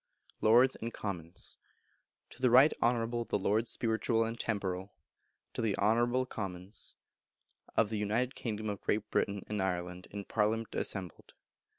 Lords and Commons. To the Right Honourable the Lords Spiritual and Temporal (To the Honourable the Commons) of the United Kingdom of Great Britain and Ireland, in Parliament assembled.